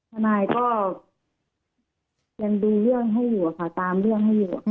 ทนายก็ยังดูเรื่องให้อยู่ค่ะตามเรื่องให้อยู่ค่ะ